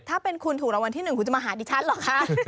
ถ้าเป็นคุณถูกรางวัลที่๑คุณจะมาหาดิฉันเหรอคะ